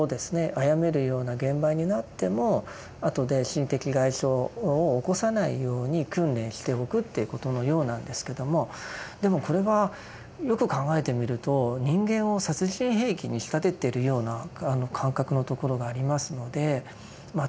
殺めるような現場になっても後で心的外傷を起こさないように訓練しておくということのようなんですけどもでもこれはよく考えてみると人間を殺人兵器に仕立ててるような感覚のところがありますのでまあ